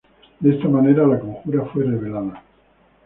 De esta manera la conjura fue revelada.